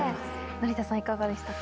成田さんいかがでしたか？